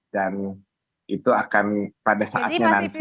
dan itu akan pada saatnya nanti